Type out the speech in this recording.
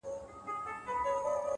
هره تجربه د ژوند نوی درس لري؛